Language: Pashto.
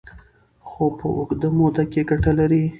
خو په اوږده موده کې ګټه لري.